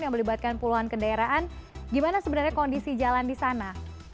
yang melibatkan puluhan kendaraan gimana sebenarnya kondisi jalan di sana